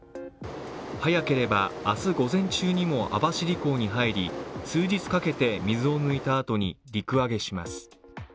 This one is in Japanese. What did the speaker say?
早ければ明日午前中にも網走港に入り数日かけて水を抜いたあとに陸揚げします。